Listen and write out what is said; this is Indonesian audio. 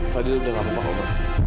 fadil udah gak mau obat